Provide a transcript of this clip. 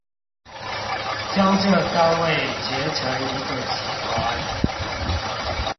將這三位結成一個集團